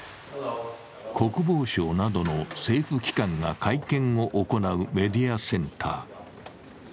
国防省などの政府機関が会見を行うメディアセンター。